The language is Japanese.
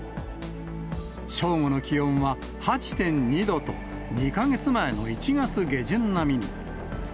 正午の気温は８．２度と、２か月前の１月下旬並みに。